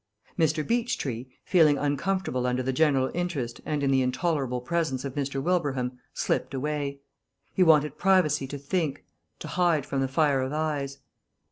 45 Mr. Beechtree, feeling uncomfortable under the general interest and in the intolerable presence of Mr. Wilbraham, slipped away. He wanted privacy to think, to hide from the fire of eyes.